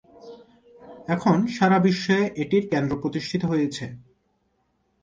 এখন সারাবিশ্বে এটির কেন্দ্র প্রতিষ্ঠিত হয়েছে।